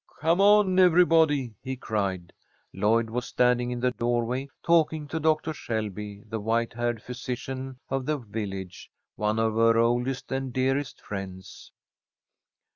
"Come on, everybody!" he cried. Lloyd was standing in the doorway, talking to Doctor Shelby, the white haired physician of the village, one of her oldest and dearest friends.